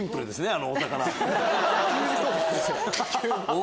あのお魚。